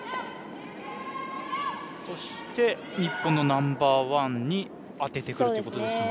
そして、日本のナンバーワンに当ててくるということですね。